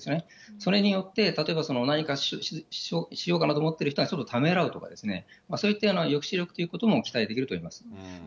それによって、例えば何かしようかなと思ってる人が、ちょっとためらうとか、そういったような抑止力ということも期待できると思います。